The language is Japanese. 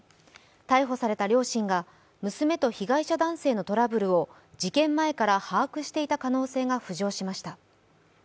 逮捕された両親が娘と被害者男性のトラブルを事件前から把握していた可能性が浮上しました。